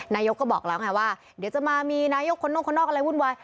นายกก็บอกแล้วไงว่าเดี๋ยวจะมามีนายกคนนอกคนนอกอะไรวุ่นวาย